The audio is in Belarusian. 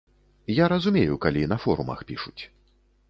Я разумею, калі на форумах пішуць.